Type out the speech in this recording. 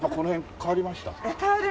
変わりました。